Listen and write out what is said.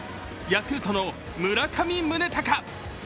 ヤクルトの村上宗隆！